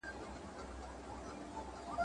یوازې منډې وهي.